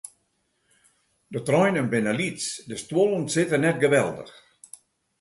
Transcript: De treinen binne lyts, de stuollen sitte net geweldich.